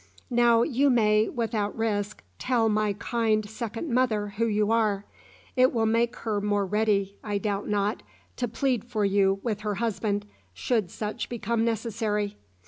"Now you may, without risk, tell my kind second mother who you are. It will make her more ready, I doubt not, to plead for you with her husband, should such become necessary.